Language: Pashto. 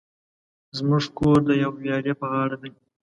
زموژ کور د ویالی په غاړه دی